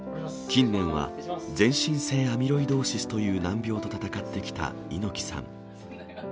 近年は、全身性アミロイドーシスという難病と闘ってきた猪木さん。